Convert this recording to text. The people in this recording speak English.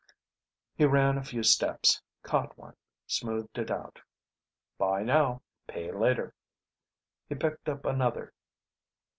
He ran a few steps, caught one, smoothed it out. BUY NOW PAY LATER! He picked up another.